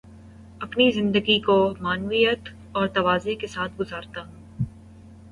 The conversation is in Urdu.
میں اپنی زندگی کو معنویت اور تواضع کے ساتھ گزارتا ہوں۔